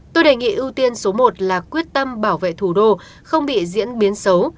tôi đề nghị ưu tiên số một là quyết tâm bảo vệ thủ đô không bị diễn biến xấu